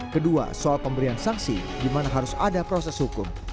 kedua soal pemberian sanksi di mana harus ada proses hukum